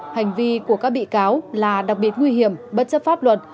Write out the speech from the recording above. hành vi của các bị cáo là đặc biệt nguy hiểm bất chấp pháp luật